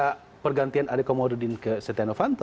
nah yang kedua ketika pergantian adek komarudin ke setihan ovanto